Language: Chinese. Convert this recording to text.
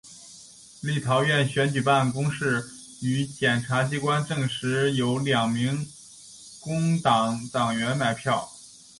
立陶宛选举办公室与检察机关证实有两名工党党员买票。